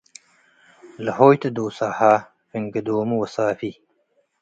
ለሆይ ቱ ዶሳሀ ፍንጌ ዶሙ ወሳፊ